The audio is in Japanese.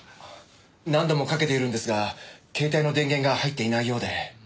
何度もかけているんですが携帯の電源が入っていないようで。